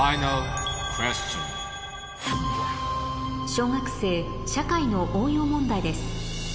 小学生社会の応用問題です